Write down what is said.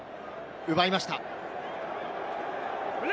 奪いました。